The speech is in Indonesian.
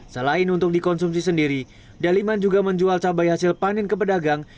selain untuk dikonsumsi sendiri daliman juga menjual cabai hasil panen ke pedagang